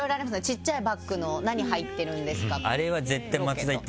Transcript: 小っちゃいバッグの何入ってるんですか。